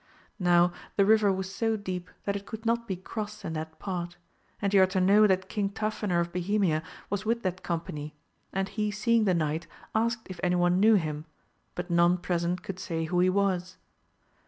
Now the river was so deep that it could not be crossed in that part, and you are to know that King Tafinor of Bohemia was with that company, and he seeing the kuight asked if any one knew him, but none present could say who he was.